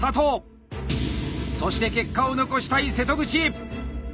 そして結果を残したい瀬戸口！